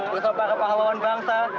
bersama para pahlawan bangsa